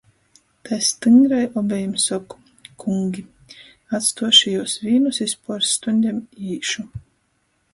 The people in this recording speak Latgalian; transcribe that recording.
Tai styngrai obejim soku: "Kungi, atstuošu jius vīnus iz puors stuņdem i īšu!"